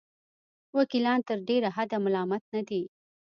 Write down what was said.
وکیلان تر ډېره حده ملامت نه دي.